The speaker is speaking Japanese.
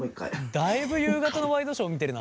だいぶ夕方のワイドショー見てるな！